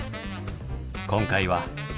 今回は。